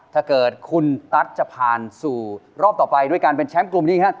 ถ้าเกิดคุณตั๊ดจะผ่านสู่รอบต่อไปด้วยการเป็นแชมป์กลุ่มนี้ครับ